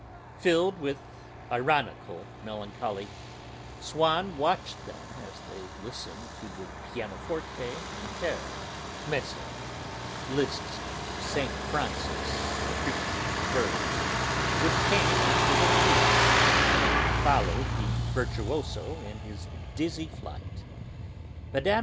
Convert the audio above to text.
Filled with ironical melancholy, Swann watched them as they listened to the pianoforte intermezzo (Liszt's 'Saint Francis preaching to the birds') which came after the flute, and followed the virtuoso in his dizzy flight; Mme.